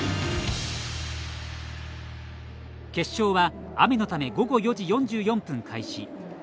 決勝は、雨のため午後４時４４分開始。